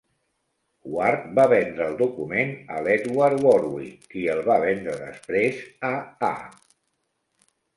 Ward va vendre el document a l"Edward Warwick qui el va vendre després a A.